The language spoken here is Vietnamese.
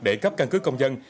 để cấp căn cứ công dân